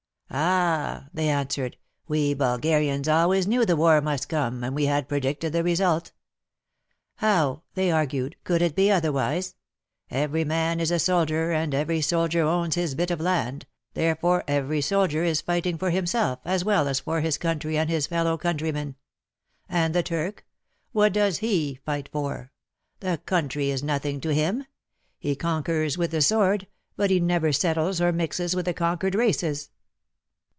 "Ah!" they answered, '*we Bulgarians always knew the war must come, and we had predicted the result. How," they argued, '* could it be otherwise ? Every man is a soldier and every soldier owns his bit of land, therefore every soldier is fighting for himself as well as for his country and his fellow countrymen. And the Turk — what does he fight for ? The country is nothing to him. He conquers with the sword, but he never settles or mixes with the conquered races."